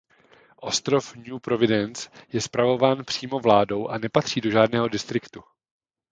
Ostrov New Providence je spravován přímo vládou a nepatří do žádného distriktu.